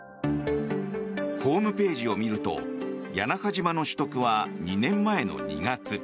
ホームページを見ると屋那覇島の取得は２年前の２月。